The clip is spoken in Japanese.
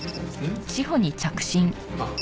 あっ。